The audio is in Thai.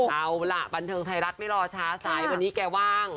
เอาล่ะบันเทิงไทยรัฐไม่รอช้าสายวันนี้แกว่าง